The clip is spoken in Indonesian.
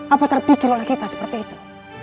apa terpikir oleh kita seperti itu